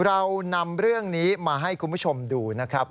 เรานำเรื่องนี้มาให้คุณผู้ชมดูนะครับ